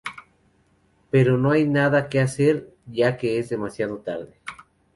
Pero no hay nada que hacer ya que es demasiado tarde.